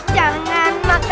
jangan makan luka